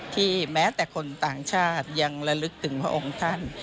แม้แต่คนต่างชาติยังระลึกถึงพระองค์ท่าน